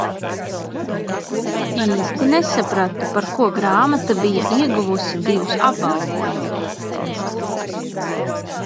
Īsti nesapratu par ko grāmata bija ieguvusi divus apbalvojumus.